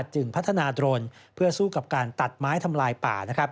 จึงพัฒนาโดรนเพื่อสู้กับการตัดไม้ทำลายป่า